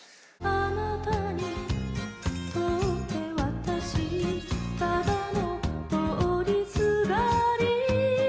「あなたにとって私ただの通りすがり」